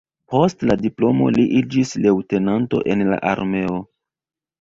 Post la diplomo li iĝis leŭtenanto en la armeo.